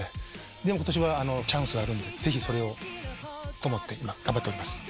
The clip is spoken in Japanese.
でも今年はチャンスがあるんでぜひそれをと思って今頑張っております。